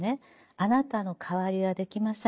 「あなたの代わりはできません。